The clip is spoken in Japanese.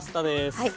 はい。